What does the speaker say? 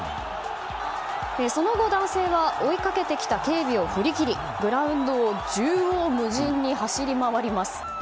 その後、男性は追いかけてきた警備を振り切りグラウンドを縦横無尽に走り回ります。